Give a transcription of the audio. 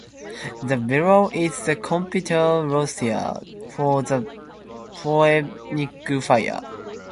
The below is the complete roster for the Phoenix Fire.